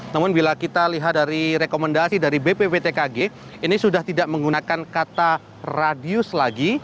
namun bila kita lihat dari rekomendasi dari bpptkg ini sudah tidak menggunakan kata radius lagi